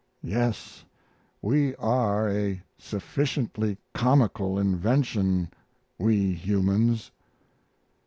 Yes, we are a sufficiently comical invention, we humans.